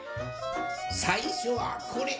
さいしょはこれ。